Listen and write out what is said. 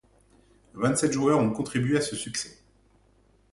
Vingt-sept joueurs ont contribué à ce succès.